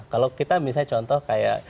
kalau kita misalnya contoh kayak